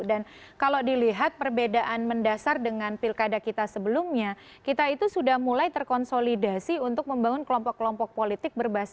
dan kalau dilihat perbedaan mendasar dengan pilkada kita sebelumnya kita itu sudah mulai terkonsolidasi untuk membangun kelompok kelompok politik